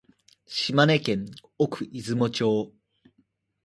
島根県奥出雲町